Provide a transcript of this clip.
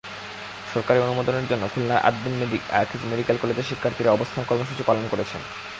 সরকারি অনুমোদনের জন্য খুলনার আদ-দ্বীন আকিজ মেডিকেল কলেজের শিক্ষার্থীরা অবস্থান কর্মসূচি পালন করছেন।